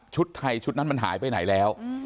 ไทยชุดนั้นมันหายไปไหนแล้ว